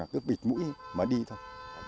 cứ bịt mũi mà đi thôi